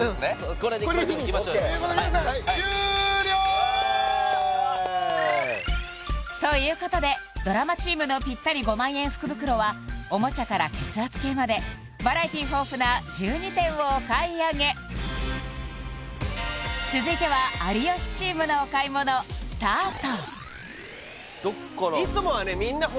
これでフィニッシュということで皆さんということでドラマチームのぴったり５万円福袋はおもちゃから血圧計までバラエティー豊富な１２点をお買い上げ続いてはどっからいつもはね